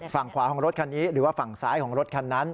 ฝั่งขวาของรถคันนี้หรือว่าฝั่งซ้ายของรถคันนั้น